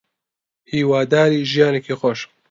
هیواداری ژیانێکی خۆش